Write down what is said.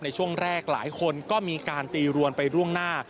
ในช่วงแรกหลายคนก็มีการตีรวนไปล่วงหน้า